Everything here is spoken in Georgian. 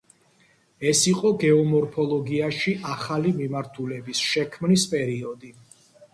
ეს იყო გეომორფოლოგიაში ახალი მიმართულების შექმნის პერიოდი.